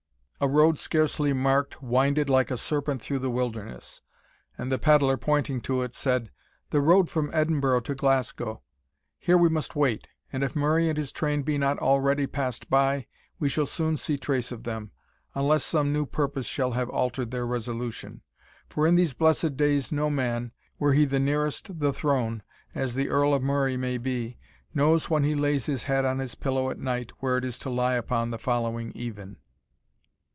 A road scarcely marked winded like a serpent through the wilderness, and the pedlar, pointing to it, said "The road from Edinburgh to Glasgow. Here we must wait, and if Murray and his train be not already passed by, we shall soon see trace of them, unless some new purpose shall have altered their resolution; for in these blessed days no man, were he the nearest the throne, as the Earl of Murray may be, knows when he lays his head on his pillow at night where it is to lie upon the following even."